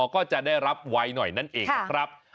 ก็จะได้รับไวหน่อยนั่นเองนะครับ